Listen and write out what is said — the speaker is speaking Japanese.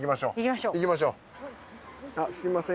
すみません